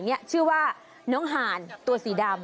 นี่ชื่อว่าน้องหานตัวสีดำ